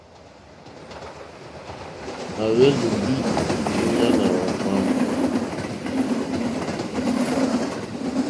À hwélì ndí múɲánà ɡbwámù.